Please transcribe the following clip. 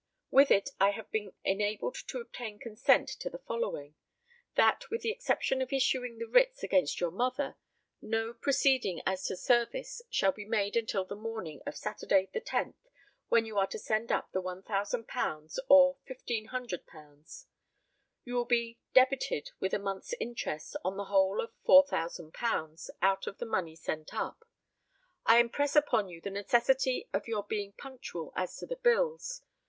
With it I have been enabled to obtain consent to the following: That, with the exception of issuing the writs against your mother, no proceeding as to service shall be made until the morning of Saturday, the 10th, when you are to send up the £1,000 or £1,500. You will be debited with a month's interest on the whole of £4,000 out of the money sent up. I impress upon you the necessity of your being punctual as to the bills.